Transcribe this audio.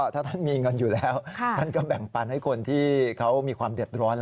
ถ้าท่านมีเงินอยู่แล้วท่านก็แบ่งปันให้คนที่เขามีความเดือดร้อน